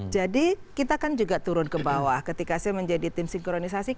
jadi kita kan juga turun ke bawah ketika saya menjadi tim sinkronisasi kita juga menerima masyarakat